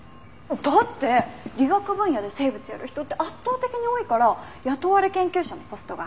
だって理学分野で生物やる人って圧倒的に多いから雇われ研究者のポストが空かないのよ。